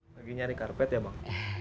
lagi nyari karpet ya bang